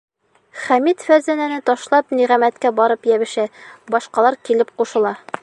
Хәмит Фәрзәнәне ташлап Ниғәмәткә барып йәбешә, башҡалар килеп ҡушыла.